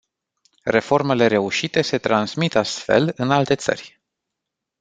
Reformele reușite se transmit astfel în alte țări.